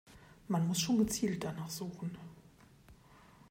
Man muss schon gezielt danach suchen.